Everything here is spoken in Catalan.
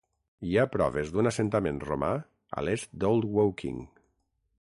Hi ha proves d'un assentament romà a l'est d'Old Woking.